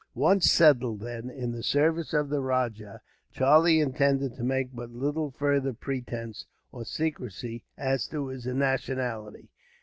Once settled, then, in the service of the rajah, Charlie intended to make but little farther pretence, or secrecy, as to his nationality.